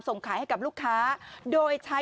ส่งขายให้กับลูกค้าโดยใช้